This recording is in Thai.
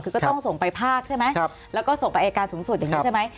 คือก็ต้องส่งไปภาคใช่ไหมแล้วก็ส่งไปอายการสูงสุดอย่างนี้ใช่ไหม